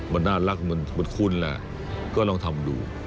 มันน่ารักเหมือนคุณลองทำดู